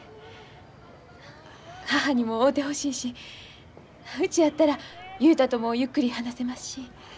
母にも会うてほしいしうちやったら雄太ともゆっくり話せますし。